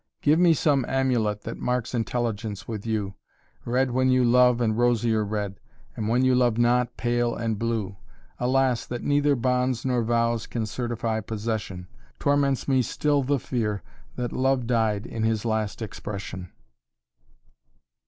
Give me some amulet That marks intelligence with you, Red when you love and rosier red, And when you love not, pale and blue. Alas that neither bonds nor vows Can certify possession. Torments me still the fear that Love Died in his last expression."